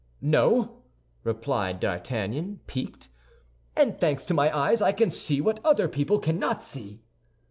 "No," replied D'Artagnan, piqued, "and thanks to my eyes, I can see what other people cannot see."